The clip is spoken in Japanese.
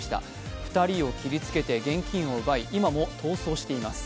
２人を切りつけて現金を奪い今も逃走しています。